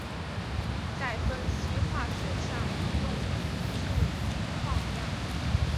在分析化学上用于处理矿样。